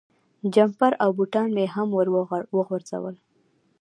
جمپر او بوټان مې هم ور وغورځول.